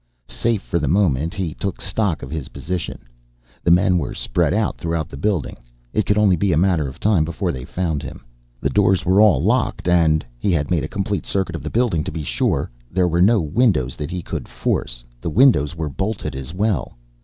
Safe for the moment, he took stock of his position. The men were spread out through the building, it could only be a matter of time before they found him. The doors were all locked and he had made a complete circuit of the building to be sure there were no windows that he could force the windows were bolted as well.